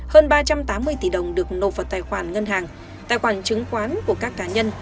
hơn ba trăm tám mươi tỷ đồng được nộp vào tài khoản ngân hàng tài khoản chứng khoán của các cá nhân